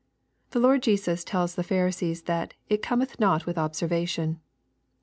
The Lord Jesus tells the Pharisees that " it cometh not with observation."